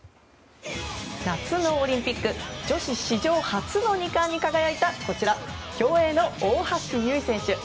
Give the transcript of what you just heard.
夏のオリンピック女子史上初の２冠に輝いた競泳の大橋悠依選手。